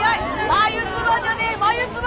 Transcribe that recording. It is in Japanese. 眉唾じゃねえぞ！